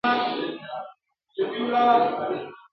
چي يې مور شېردل ته ژبه ورنژدې کړه.!